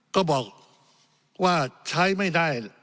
ก็บอกว่าใช้ไม่ได้